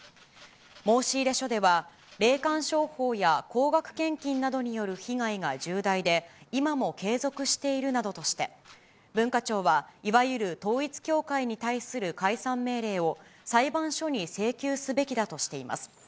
申し入れ書では、霊感商法や高額献金などによる被害が重大で、今も継続しているなどとして、文化庁は、いわゆる統一教会に対する解散命令を裁判所に請求すべきだとしています。